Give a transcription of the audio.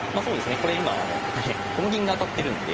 これ今あのこの銀が当たってるんで。